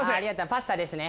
パスタですね。